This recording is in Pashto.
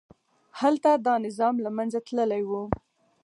هلته دا نظام له منځه تللي وو.